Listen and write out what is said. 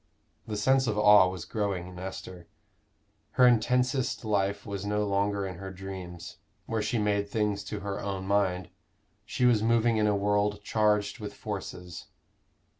The sense of awe was growing in Esther. Her intensest life was no longer in her dreams, where she made things to her own mind: she was moving in a world charged with forces.